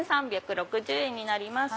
１３６０円になります。